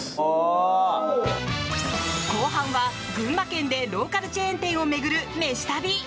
後半は群馬県でローカルチェーン店を巡る飯旅。